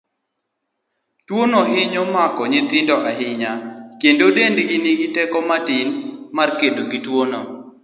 Tuono hinyo mako nyithindo ahinya, kendo dendgi nigi teko matin mar kedo gi tuono.